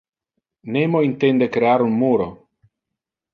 Nemo intende crear un muro.